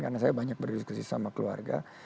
karena saya banyak berdiskusi sama keluarga